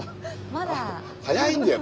早いんだよ。